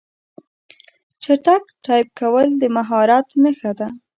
چټک ټایپ کول د مهارت نښه ده.